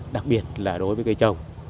đặc biệt là đối với cây trồng